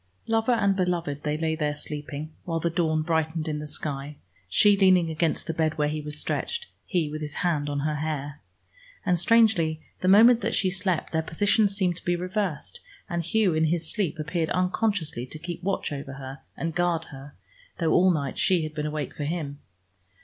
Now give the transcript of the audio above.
Lover and beloved they lay there sleeping, while the dawn brightened in the sky, she leaning against the bed where he was stretched, he with his hand on her hair. And strangely, the moment that she slept, their positions seemed to be reversed, and Hugh in his sleep appeared unconsciously to keep watch over and guard her, though all night she had been awake for him.